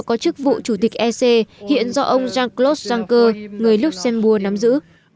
có chức vụ chủ tịch ec hiện do ông jean claude juncker người luxembourg nắm giữ